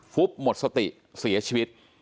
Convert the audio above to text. ฟุบหมดสติเสียชีวิต